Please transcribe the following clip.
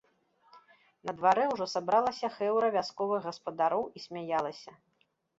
На дварэ ўжо сабралася хэўра вясковых гаспадароў і смяялася.